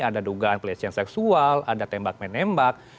ada dugaan pelisihan seksual ada tembak main nembak